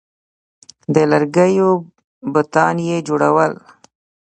د لرګیو بتان یې جوړول